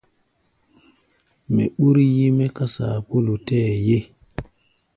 Mɛ ɓúr yí-mɛ́ ká saapúlu tɛɛ́ ye.